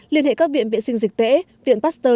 liên hệ các viện vệ sinh dịch tễ viện pasteur